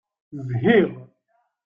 Zhiɣ.